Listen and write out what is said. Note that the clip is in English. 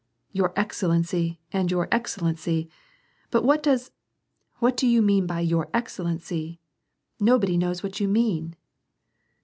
'Your excellency! and *youT excellency!' But what does — do you mean by 'your excellency '?* Nobody knows what you mean